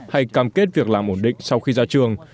hay cam kết việc làm ổn định sau khi ra trường